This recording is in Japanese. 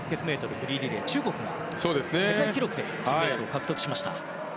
フリーリレーは中国が世界記録で金メダルを獲得しました。